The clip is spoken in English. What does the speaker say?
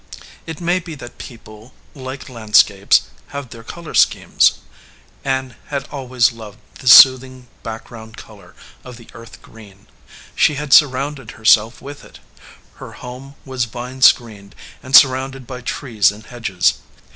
It may be that people, like landscapes, have their color schemes. Ann had always loved the sooth ing background color of the earth green. She had surrounded herself with it. Her home was vine screened and surrounded by trees and hedges.